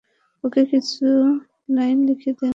ওকে কিছু লাইন লিখে দে।